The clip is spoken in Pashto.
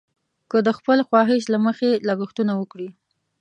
که د خپل خواهش له مخې لګښتونه وکړي.